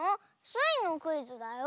スイのクイズだよ。